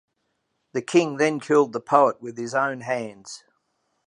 The king then killed the poet with his own hands.